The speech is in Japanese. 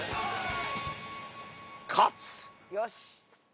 よし！